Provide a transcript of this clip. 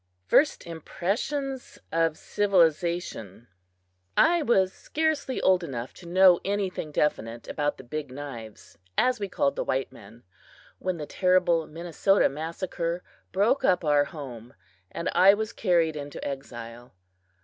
FIRST IMPRESSIONS OF CIVILIZATION I WAS scarcely old enough to know anything definite about the "Big Knives," as we called the white men, when the terrible Minnesota massacre broke up our home and I was carried into exile.